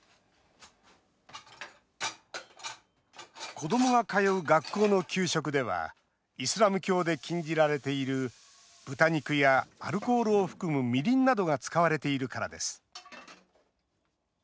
子どもが通う学校の給食ではイスラム教で禁じられている豚肉やアルコールを含む、みりんなどが使われているからです。